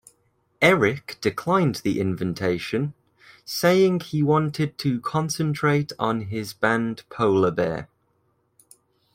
Eric declined the invitation, saying he wanted to concentrate on his band Polar Bear.